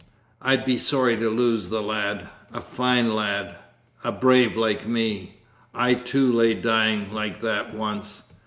I'd be sorry to lose the lad. A fine lad a brave, like me. I too lay dying like that once.